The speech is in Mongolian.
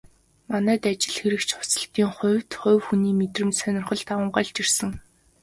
Манайд ажил хэрэгч хувцаслалтын хувьд хувь хүний мэдрэмж, сонирхол давамгайлж ирсэн.